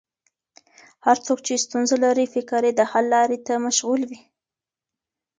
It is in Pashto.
هر څوک چې ستونزه لري، فکر یې د حل لارې ته مشغول وي.